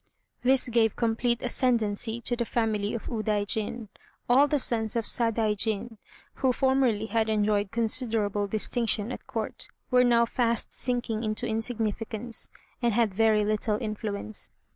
This gave complete ascendancy to the family of Udaijin. All the sons of Sadaijin, who formerly had enjoyed considerable distinction at Court, were now fast sinking into insignificance, and had very little influence.